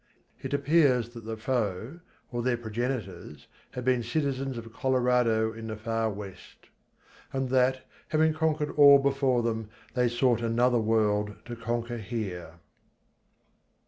It appears that the foe, or their progenitors, had been citizens of Colordo in the far West. And that, having conquered all before them, they sought another World to conquer here.